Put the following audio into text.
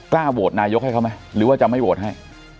โหวตนายกให้เขาไหมหรือว่าจะไม่โหวตให้